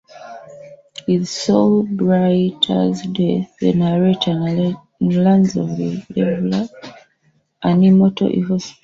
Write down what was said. With Soulblighter's death, the narrator learns of "The Leveler", an immortal evil spirit.